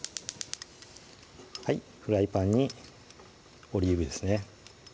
フライパンにオリーブ油ですね